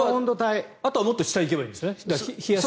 あとはもっと下に行けばいいんですね。